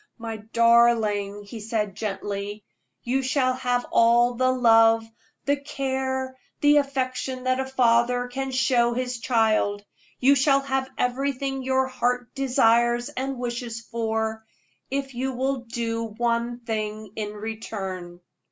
"My darling," he said, gently, "you shall have all the love, the care, the affection that a father can show his child you shall have everything your heart desires and wishes for, if you will do one thing in return."